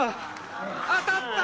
当たった！